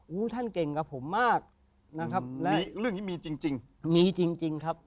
อู้วท่านเก่งกับผมมากนะครับเรื่องนี้มีจริงครับ